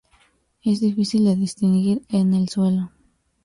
Es difícil de distinguir en el suelo.